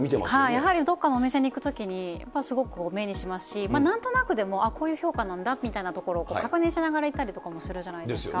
やはりどこかのお店に行くときにやっぱりすごく目にしますし、なんとなくでも、こういう評価なんだというところを確認しながら行ったりとかもするじゃないですか。